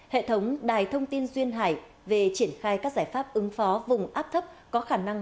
hệ thống đài thông tin duyên hải về triển khai các giải pháp ứng phó vùng áp thấp có khả năng